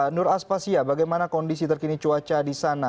nur aspasya bagaimana kondisi terkini cuaca di sana